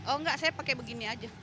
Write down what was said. oh enggak saya pakai begini aja